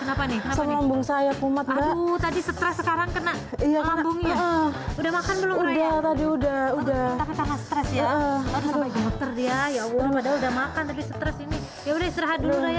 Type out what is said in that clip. aduh tadi stress sekarang kena lambungnya udah makan belum raya udah tadi udah udah